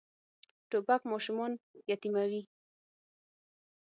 توپک ماشومان یتیموي.